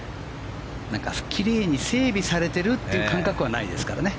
きれいに整備されてるっていう感覚はないですからね。